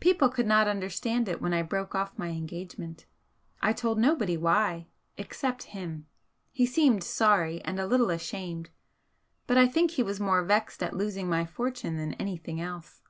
People could not understand it when I broke off my engagement. I told nobody why except HIM. He seemed sorry and a little ashamed, but I think he was more vexed at losing my fortune than anything else.